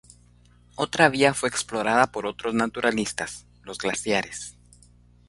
Otra vía fue explorada por otros naturalistas: los glaciares.